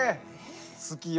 好きよ